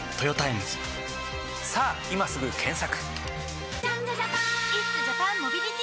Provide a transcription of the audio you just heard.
さぁ今すぐ検索！